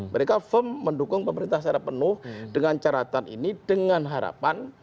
mereka firm mendukung pemerintah secara penuh dengan caratan ini dengan harapan